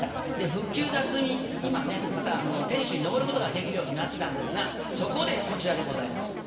復旧が進み、今ね、また天守に登ることができるようになったんですが、そこでこちらでございます。